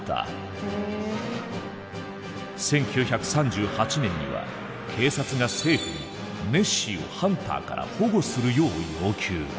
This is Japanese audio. １９３８年には警察が政府にネッシーをハンターから保護するよう要求。